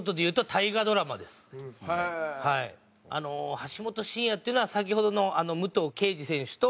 橋本真也っていうのは先ほどの武藤敬司選手と。